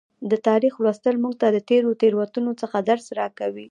د تاریخ لوستل موږ ته د تیرو تیروتنو څخه درس راکوي.